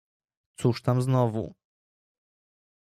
"cóż tam znowu?"